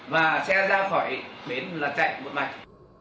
và xe ra khỏi bến là chạy bộ mạch